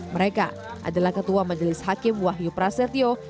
mereka adalah ketua majelis hakim wahyu prasetyo